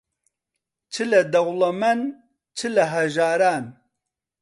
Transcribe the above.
چ لە دەوڵەمەن، چ لە هەژاران